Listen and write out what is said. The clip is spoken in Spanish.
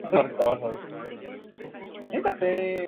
Es protagonizada por Lee Joon-gi y Seo Ye-ji.